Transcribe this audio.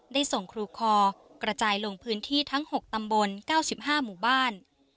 ได้ส่งครูคอกระจายลงพื้นที่ทั้ง๖ตำบล๙๕หมู่บ้าน